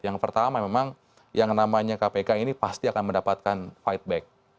yang pertama memang yang namanya kpk ini pasti akan mendapatkan fight back